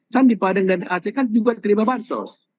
kan di padang dan aceh kan juga terima bansos